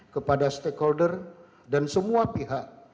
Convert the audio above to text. kepada stakeholder dan semua pihak